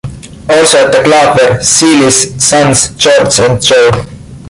Also at the club were Sealey's sons, George and Joe.